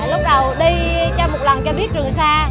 lúc đầu đi cho một lần cho biết trường xa